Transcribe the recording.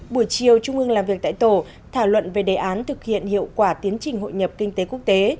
buổi chiều trung ương làm việc tại tổ thảo luận về đề án thực hiện hiệu quả tiến trình hội nhập kinh tế quốc tế